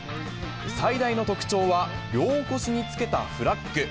最大の特徴は、両腰につけたフラッグ。